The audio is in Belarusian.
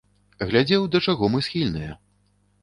Глядзеў, да чаго мы схільныя.